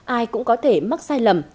ai cũng có thể mắc sai lầm